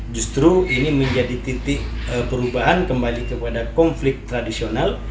justru ini menjadi titik perubahan kembali kepada konflik tradisional